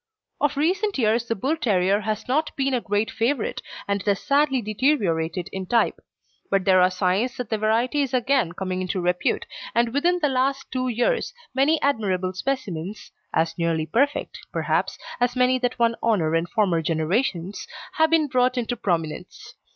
Of recent years the Bull terrier has not been a great favourite, and it has sadly deteriorated in type; but there are signs that the variety is again coming into repute, and within the past two years many admirable specimens as nearly perfect, perhaps, as many that won honour in former generations have been brought into prominence.